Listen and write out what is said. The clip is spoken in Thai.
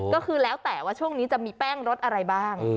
ก็คือแล้วแต่ว่าช่วงนี้จะมีแป้งรสอะไรบ้าง